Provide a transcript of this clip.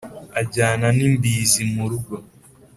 ajyana n’ imbizi mu rugo